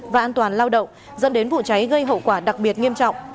và an toàn lao động dẫn đến vụ cháy gây hậu quả đặc biệt nghiêm trọng